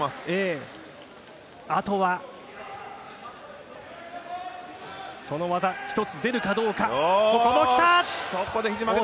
あとは、その技１つ出るかどうか。